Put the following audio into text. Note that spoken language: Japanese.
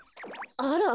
あら？